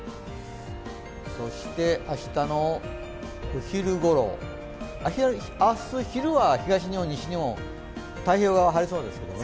そして、明日のお昼ごろ、明日昼は東日本、西日本、太平洋側は晴れそうですね。